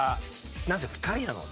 なんせ２人なので。